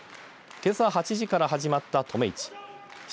けさ８時から始まった止め市。